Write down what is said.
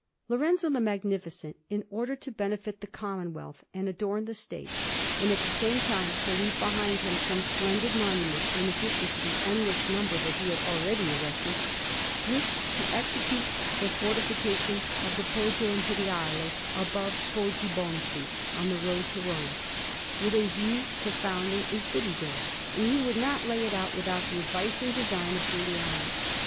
Lorenzo the Magnificent, in order to benefit the commonwealth and adorn the State, and at the same time to leave behind him some splendid monument, in addition to the endless number that he had already erected, wished to execute the fortification of the Poggio Imperiale, above Poggibonsi, on the road to Rome, with a view to founding a city there; and he would not lay it out without the advice and design of Giuliano.